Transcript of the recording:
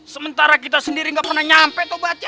sementara kita sendiri gak pernah nyampe tobatnya